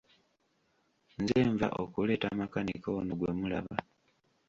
Nze nva okuleeta makanika ono gwe mulaba!